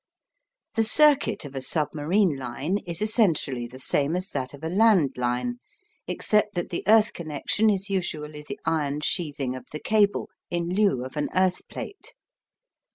The circuit of a submarine line is essentially the same as that of a land line, except that the earth connection is usually the iron sheathing of the cable in lieu of an earth plate.